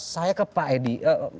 saya ke pak edi